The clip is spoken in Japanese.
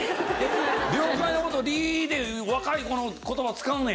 了解の事「り」で若い子の言葉使うねや。